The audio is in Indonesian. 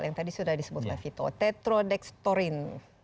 yang tadi sudah disebutnya fitotetrodekstorin